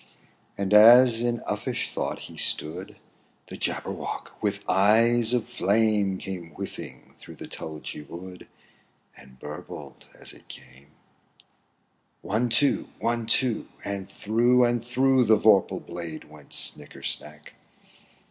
And as in uffish thought he stood, The Jabberwock with eyes of flame. Came whiffling through the tulgey wood, And burbled as it came! 870 Nonsense One, two I. One, two! And through, and through The vorpal blade went snicker snack!